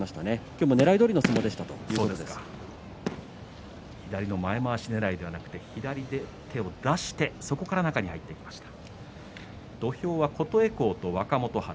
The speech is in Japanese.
今日もねらいどおりの相撲ですと左の前まわしねらいではなくて左で手を出してそこから中に入っていきました。